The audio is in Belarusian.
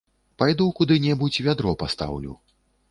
Пайду куды-небудзь вядро пастаўлю.